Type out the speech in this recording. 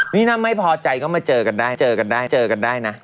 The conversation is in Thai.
นี่นะไม่พอใจก็มาเจอกันได้นะ